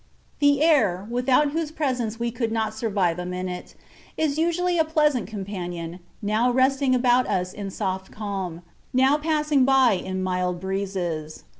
The air, without whose presence we could not survive a minute, is usually a pleasant companion, now resting about us in soft calm, now passing by in mild breezes.